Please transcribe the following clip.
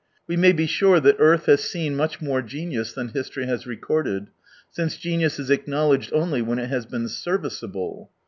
We may be sure that earth has seen much more genius than history has recorded ; since genius is acknowledged only when it has been serviceable.